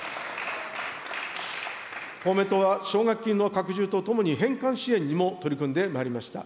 公明党は奨学金の拡充とともに、返還支援にも取り組んでまいりました。